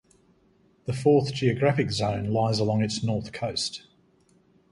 The fourth geographic zone lies along its north coast.